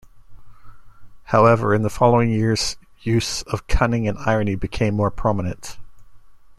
However, in the following years use of cunning and irony became more prominent.